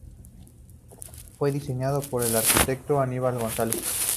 Fue diseñado por el arquitecto Aníbal González.